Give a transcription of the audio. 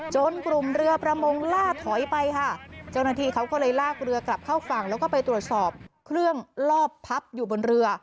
จนกลุ่มเรือประมงล่าถอยไปค่ะเจ้าหน้าที่เขาก็เลยลากเรือกลับเข้าฝั่งแล้วก็ไปตรวจสอบเครื่องลอบพับอยู่บนเรือ